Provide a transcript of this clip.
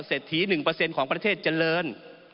เศรษฐี๑ของประเทศเจริญ